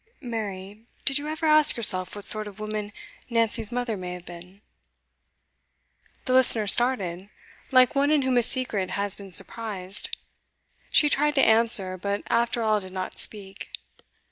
'Mary, did you ever ask yourself what sort of woman Nancy's mother may have been?' The listener started, like one in whom a secret has been surprised. She tried to answer, but after all did not speak.